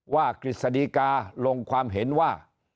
กฤษฎีกาลงความเห็นว่า